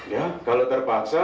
ya kalau terpaksa